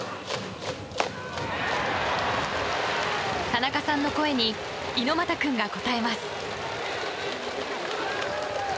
田中さんの声に猪俣君が応えます。